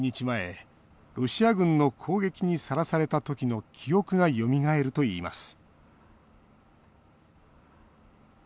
ロシア軍の攻撃にさらされた時の記憶がよみがえるといいます